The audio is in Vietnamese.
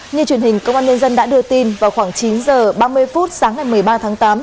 như truyền hình công an nhân dân đã đưa tin vào khoảng chín h ba mươi phút sáng ngày một mươi ba tháng tám